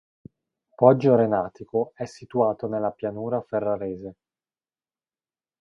Poggio Renatico è situato nella pianura ferrarese.